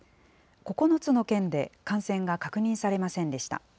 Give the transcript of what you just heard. ９つの県で、感染が確認されませんでした。